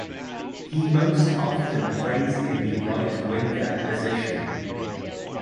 He most often plays in the right winger position.